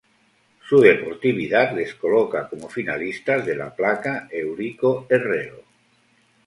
Su deportividad les coloca como finalistas de la placa "Eurico Herrero".